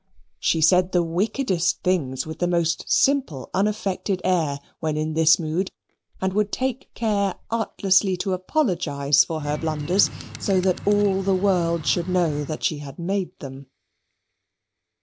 She said the wickedest things with the most simple unaffected air when in this mood, and would take care artlessly to apologize for her blunders, so that all the world should know that she had made them.